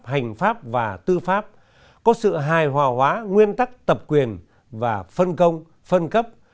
hành pháp và tư pháp có sự hài hòa hóa nguyên tắc tập quyền và phân công phân cấp